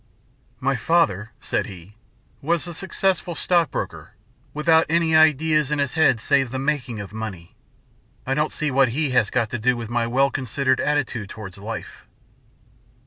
"My father," said he, "was a successful stockbroker, without any ideas in his head save the making of money. I don't see what he has got to do with my well considered attitude towards life."